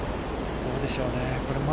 どうでしょうね。